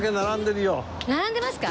並んでますか？